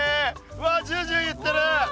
うわジュージューいってる。